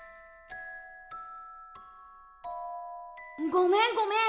ごめんごめん。